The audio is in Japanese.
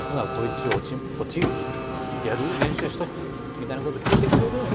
みたいなことを聞いてくれるんだけど。